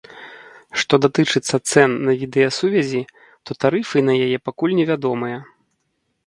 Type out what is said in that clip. Што датычыцца цэн на відэасувязі, то тарыфы на яе пакуль невядомыя.